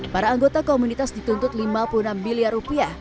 para anggota komunitas dituntut lima puluh enam miliar rupiah